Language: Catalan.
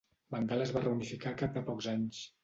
Bengala es va reunificar al cap de pocs anys.